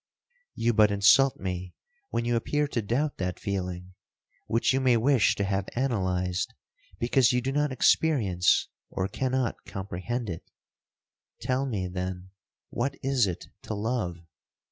You but insult me when you appear to doubt that feeling, which you may wish to have analysed, because you do not experience or cannot comprehend it. Tell me, then, what is it to love?